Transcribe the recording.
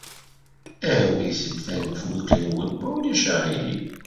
Awit-d tanfult-nwen, ma ulac aɣilif.